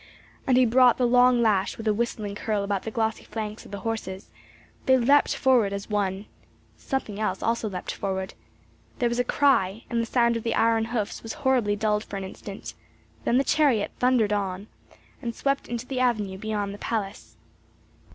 And he brought the long lash with a whistling curl about the glossy flanks of the horses; they leapt forward as one. Something else also leapt forward. There was a cry, and the sound of the iron hoofs was horribly dulled for an instant, then the chariot thundered on, and swept into the avenue beyond the palace.